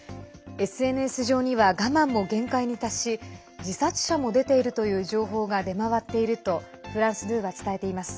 ＳＮＳ上には我慢も限界に達し自殺者も出ているという情報が出回っているとフランス２は伝えています。